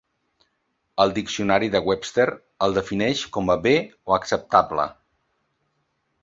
El Diccionari de Webster el defineix com a "bé" o "acceptable".